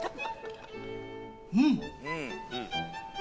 うん！